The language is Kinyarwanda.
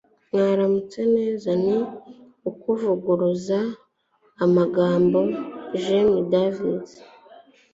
mwaramutse neza ni ukuvuguruza amagambo. - jim davis